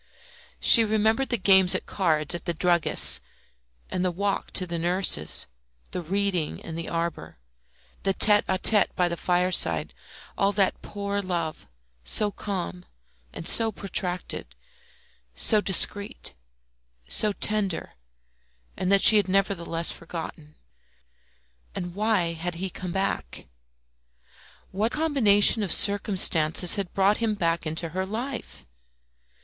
She remembered the games at cards at the druggist's, and the walk to the nurse's, the reading in the arbour, the tête à tête by the fireside all that poor love, so calm and so protracted, so discreet, so tender, and that she had nevertheless forgotten. And why had he come back? What combination of circumstances had brought him back into her life?